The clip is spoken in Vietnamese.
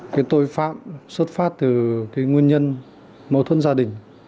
cái tội phạm xuất phát từ cái nguyên nhân mâu thuẫn gia đình